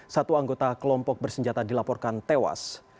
satu anggota kelompok bersenjata dilaporkan tewas